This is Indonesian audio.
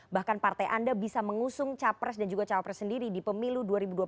bahkan partai anda bisa mengusung capres dan juga cawapres sendiri di pemilu dua ribu dua puluh